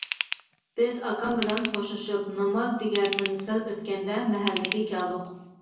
بىز ئاكام بىلەن خوشلىشىپ، نامازدىگەردىن سەل ئۆتكەندە مەھەللىگە كەلدۇق.